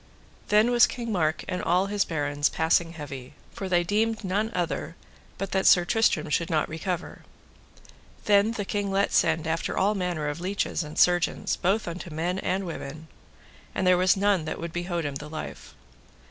Then was King Mark and all his barons passing heavy, for they deemed none other but that Sir Tristram should not recover. Then the king let send after all manner of leeches and surgeons, both unto men and women, and there was none that would behote him the life.